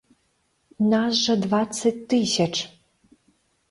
Нас жа дваццаць тысяч!